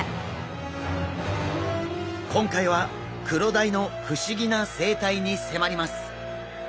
今回はクロダイの不思議な生態に迫ります。